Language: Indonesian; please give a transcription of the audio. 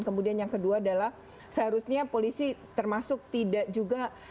kemudian yang kedua adalah seharusnya polisi termasuk tidak juga